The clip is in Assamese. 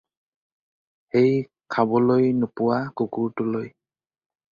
সেই খাবলৈ নোপোৱা কুকুৰটোলৈ?